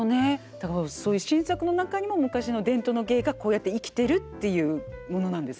だからそういう新作の中にも昔の伝統の芸がこうやって生きてるっていうものなんですねこれね。